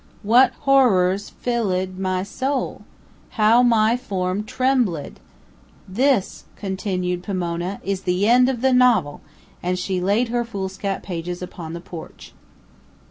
What horrors fill ed my soul! How my form trembl ed! This," continued Pomona, "is the end of the novel," and she laid her foolscap pages on the porch.